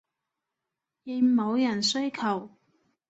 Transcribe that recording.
應某人需求